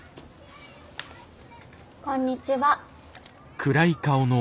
こんにちは。